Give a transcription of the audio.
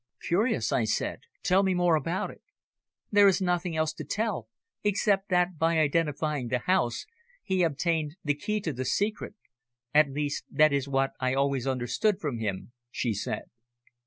"Curious," I said. "Tell me more about it." "There is nothing else to tell, except that, by identifying the house, he obtained the key to the secret at least, that is what I always understood from him," she said.